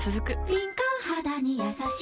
敏感肌にやさしい